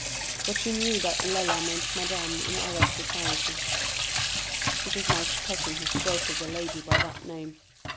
But she knew that "Lella" meant "Madame" in Arab society. "It is my cousin who spoke of the lady by that name.